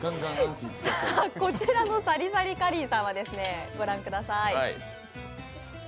こちらのサリサリカリーさんはご覧ください。